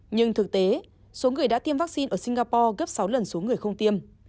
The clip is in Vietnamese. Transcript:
nhưng thực tế số người đã tiêm vaccine ở singapore gấp sáu lần số người không tiêm